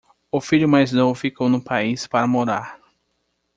O filho mais novo ficou no país para morar